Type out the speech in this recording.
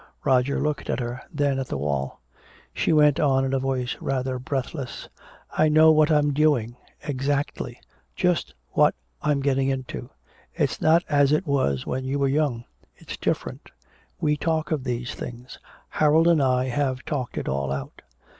Roger looked at her, then at the wall. She went on in a voice rather breathless: "I know what I'm doing exactly just what I'm getting into. It's not as it was when you were young it's different we talk of these things. Harold and I have talked it all out."